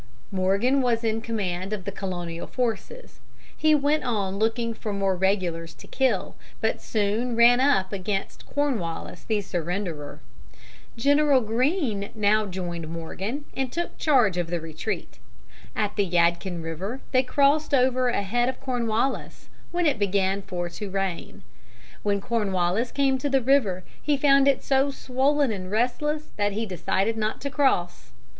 Morgan was in command of the Colonial forces. He went on looking for more regulars to kill, but soon ran up against Cornwallis the surrenderer. General Greene now joined Morgan, and took charge of the retreat. At the Yadkin River they crossed over ahead of Cornwallis, when it began for to rain. When Cornwallis came to the river he found it so swollen and restless that he decided not to cross.